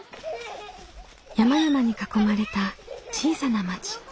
山々に囲まれた小さな町。